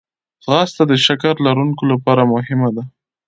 ځغاسته د شکر لرونکو لپاره مهمه ده